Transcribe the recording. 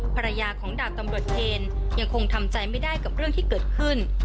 ภรรยาของดาบตำรวจเคนยังคงทำใจไม่ได้กับเรื่องที่เกิดขึ้น